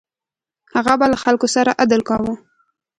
هغه به له خلکو سره عدل کاوه.